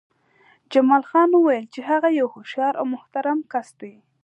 جمال خان وویل چې هغه یو هوښیار او محترم کس دی